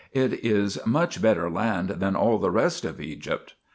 It is much better land than all the rest of Egypt.